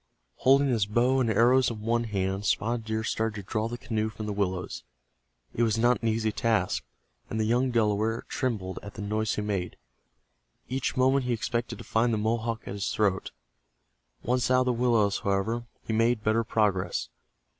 Holding his bow and arrows in one hand, Spotted Deer started to draw the canoe from the willows. It was not an easy task, and the young Delaware trembled at the noise he made. Each moment he expected to find the Mohawk at his throat. Once out of the willows, however, he made better progress.